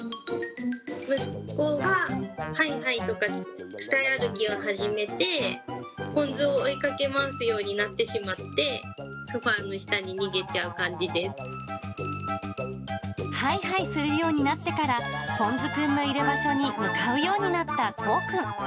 息子がはいはいとか伝い歩きを始めて、ぽんずを追いかけ回すようになってしまって、ソファの下に逃げちはいはいするようになってから、ぽんずくんのいる場所に向かうようになったこうくん。